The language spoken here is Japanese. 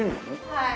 はい。